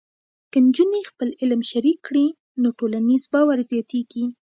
که نجونې خپل علم شریک کړي، نو ټولنیز باور زیاتېږي.